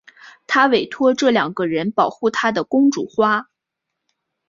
她委托这两个人保护她的公主花。